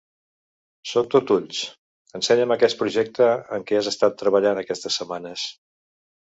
Sóc tot ulls. Ensenya'm aquest projecte en què has estat treballant aquestes setmanes.